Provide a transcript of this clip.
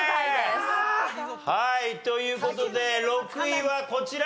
はいという事で６位はこちら！